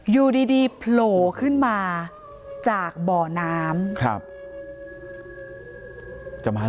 อยู่ดีโผล่ขึ้นมาจากบ่อน้ำครับ